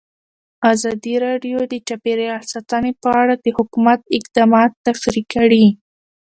ازادي راډیو د چاپیریال ساتنه په اړه د حکومت اقدامات تشریح کړي.